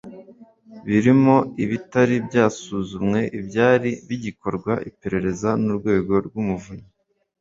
birimo ibitari byasuzumwe ibyari bigikorwaho iperereza n Urwego rw Umuvunyi